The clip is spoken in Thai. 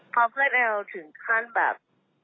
พอเพื่อนแอลถึงขั้นแบบ